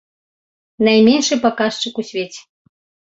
Найменшы паказчык у свеце.